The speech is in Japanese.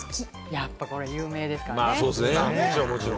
やっぱこれ有名ですからね。